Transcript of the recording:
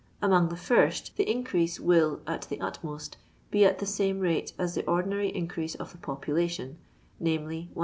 Among the first the in crease will, at the utmost, be at the same rate as the ordinary increase of the population — via.